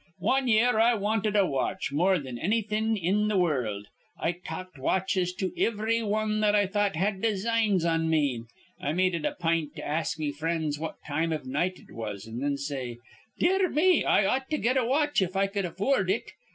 "Wan year I wanted a watch more thin annything in th' wurruld. I talked watches to ivry wan that I thought had designs on me. I made it a pint to ask me frinds what time iv night it was, an' thin say, 'Dear me, I ought to get a watch if I cud affoord it.'